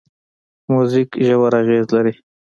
موزیک ژور اغېز لري.